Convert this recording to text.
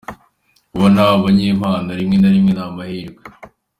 Kubona abanyempano rimwe na rimwe ni amahirwe.